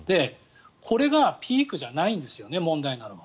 これがピークじゃないんです問題なのは。